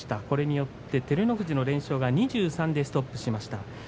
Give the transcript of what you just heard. これによって照ノ富士の連勝が２３でストップしました。